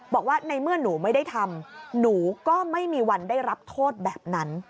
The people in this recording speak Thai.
บอกว่าในเมื่อหนูไม่ได้ทำหนูก็ไม่มีวันได้รับโทษแบบนั้น